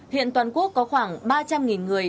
hiện toàn quốc có khoảng ba trăm linh người